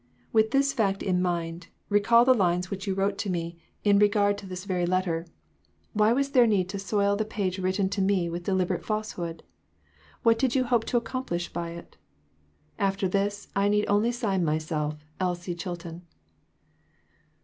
With this fact in mind, recall the lines which you wrote me in regard to this 420 J. S. R. very letter. Why was there need to soil the page written to me with deliberate falsehood? What did you hope to accomplish by it ? After this, I need only sign myself, ELSIE CHILTON.